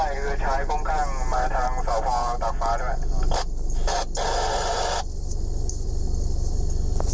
คือใช้คุ้มข้างมาทางสาวฟ้าตากฟ้าด้วย